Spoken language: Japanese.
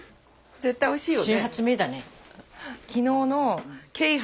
絶対おいしいよね。